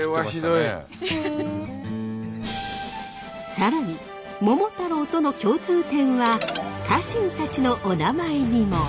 更に「桃太郎」との共通点は家臣たちのおなまえにも。